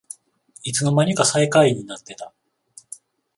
いつのまにか最下位になってた